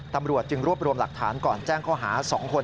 ตำรวจจึงรวบรวมหลักฐานก่อนแจ้งข้อหา๒คน